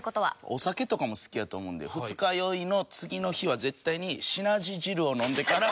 お酒とかも好きやと思うんで二日酔いの次の日は絶対にシナジ汁を飲んでから。